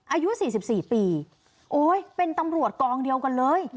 อายุ๔๔ปีโอ๊ยเป็นตำรวจกองเดียวกันเลย